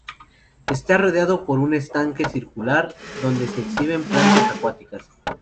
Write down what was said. Está rodeado por un estanque circular donde se exhiben plantas acuáticas.